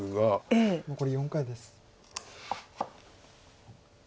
残り４回です。